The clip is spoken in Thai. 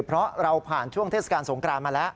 เพราะเราผ่านช่วงเทศกาลสงกรานมาแล้ว